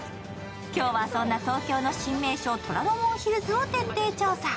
今日は、そんな東京の新名所虎ノ門ヒルズを徹底調査。